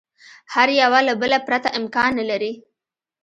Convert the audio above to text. هر یوه له بله پرته امکان نه لري.